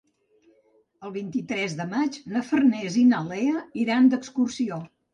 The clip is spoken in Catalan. El vint-i-tres de maig na Farners i na Lea iran d'excursió.